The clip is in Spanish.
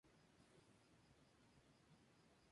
Miembro de una familia vasco-navarra emigrada a Uruguay.